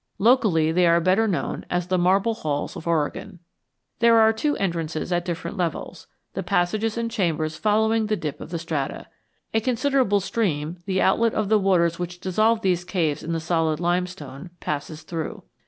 Locally they are better known as the Marble Halls of Oregon. There are two entrances at different levels, the passages and chambers following the dip of the strata. A considerable stream, the outlet of the waters which dissolved these caves in the solid limestone, passes through.